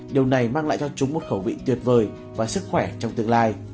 điều này mang lại cho chúng một khẩu vị tuyệt vời và sức khỏe trong tương lai